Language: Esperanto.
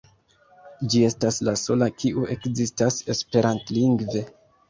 Ĝi estas la sola kiu ekzistas esperantlingve.